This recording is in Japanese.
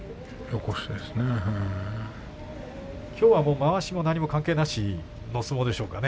きょうはまわしも何も関係なしの相撲でしょうかね